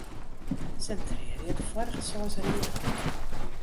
Sintrearje de foarige seis rigen.